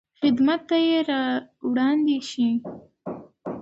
خدمت ته یې راوړاندې شئ.